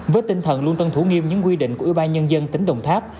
với tinh thần luôn tân thủ nghiêm những quy định của ủy ban nhân dân tỉnh đồng tháp